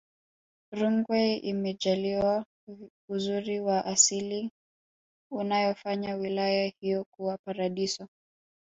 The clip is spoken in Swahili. rungwe imejaliwa uzuri wa asili unayofanya wilaya hiyo kuwa paradiso